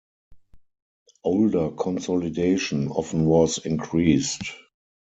Older consolidation often was increased.